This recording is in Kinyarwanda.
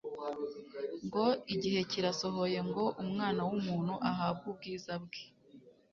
ngo : "Igihe kirasohoye ngo Umwana w'umuntu ahabwe ubwiza bwe."